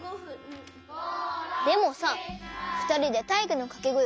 でもさふたりでたいいくのかけごえ